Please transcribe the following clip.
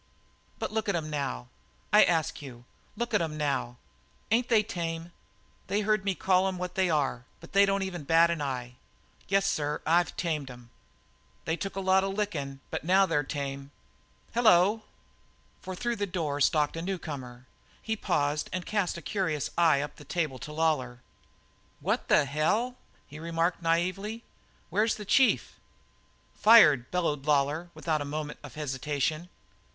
But look at 'em now. I ask you: Look at 'em now! Ain't they tame? They hear me call 'em what they are, but they don't even bat an eye. Yes, sir, I've tamed 'em. They took a lot of lickin', but now they're tamed. Hello!" For through the door stalked a newcomer. He paused and cast a curious eye up the table to Lawlor. "What the hell!" he remarked naively. "Where's the chief?" "Fired!" bellowed Lawlor without a moment of hesitation.